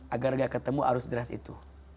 agar dia ketemu arus deras itu